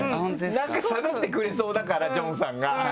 なんかしゃべってくれそうだからジョンさんが。